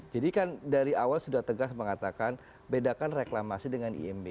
jadi kan dari awal sudah tegas mengatakan bedakan reklamasi dengan imb